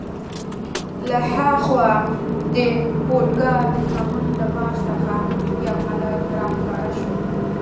له ها خوا د پودګا د کمند له بار څخه یو هلک راښکاره شو.